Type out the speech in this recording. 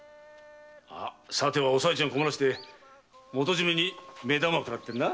さてはおさよちゃん困らせて元締に目玉くらってるな？